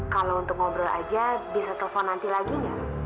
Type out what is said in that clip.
kalau untuk ngobrol aja bisa telpon nanti lagi ya